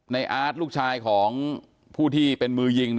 อาร์ตลูกชายของผู้ที่เป็นมือยิง